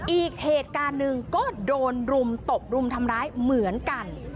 อีกเหตุการณ์หนึ่งก็โดนรุมตบรุมทำร้ายเหมือนกัน